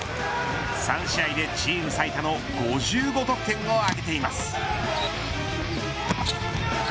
３試合でチーム最多の５５得点を挙げています。